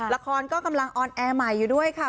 ละครก็กำลังออนแอร์ใหม่อยู่ด้วยค่ะ